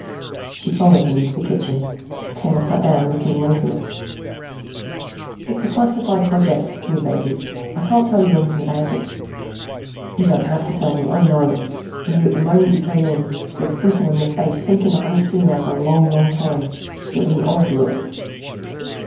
She followed him into the kitchen. Taylor sat down, looking away from her. "It's a classified project," he evaded. "I can't tell you anything about it." "You don't have to tell me. I know. I knew it the moment you came in. There was something on your face, something I haven't seen there for a long, long time. It was an old look."